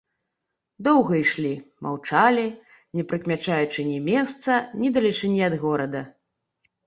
Доўга ішлі, маўчалі, не прыкмячаючы ні месца, ні далечыні ад горада.